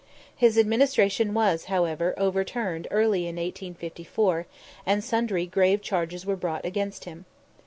His administration was, however, overturned early in 1854, and sundry grave charges were brought against him.